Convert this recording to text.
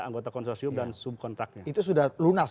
anggota konsorsium dan subkontrak itu sudah lunas